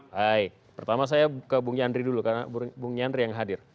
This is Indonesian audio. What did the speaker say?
hai pertama saya ke bung yandri dulu karena bung yandri yang hadir